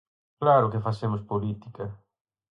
¡Claro que facemos política!